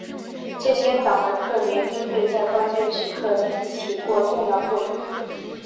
这些党的特别经费在关键时刻曾起过重要作用。